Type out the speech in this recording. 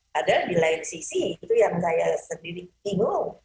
padahal di lain sisi itu yang saya sendiri bingung